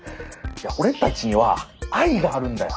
俺たちには愛があるんだよ。